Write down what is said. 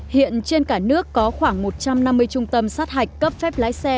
hiện trên cả nước có khoảng một trăm năm mươi trung tâm sát hạch cấp phép lái xe